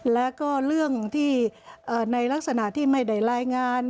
แล้วก็เรื่องที่ในลักษณะที่ไม่ได้รายงาน